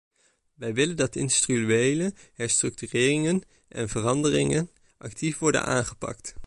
Wij willen dat de industriële herstructureringen en veranderingen actief worden aangepakt.